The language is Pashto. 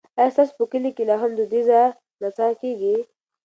ایا ستاسو په کلي کې لا هم دودیزه نڅا کیږي؟